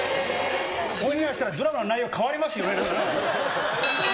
オンエアしたらドラマの内容変わりますよ。